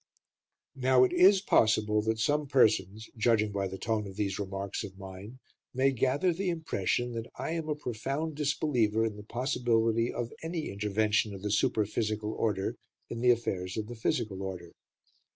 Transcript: Now it is possible that some persons, judging by the tone of these remarks of mine, may gather the impression that I am a profound disbeliever in the possibility of any intervention of the super physical order in the affairs of the physical order.